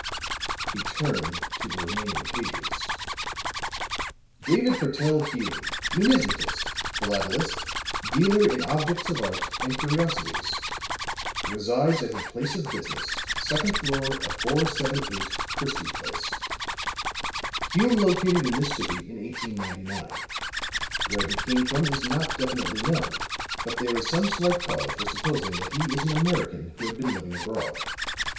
He turned to the remaining pages. "David Purtell Hume, Numismatist, philatelist, dealer in objects of art and curiosities. Resides at his place of business, second floor of 478 Christie Place. "Hume located in this city in 1899. Where he came from is not definitely known, but there is some slight cause for supposing that he is an American who had been living abroad.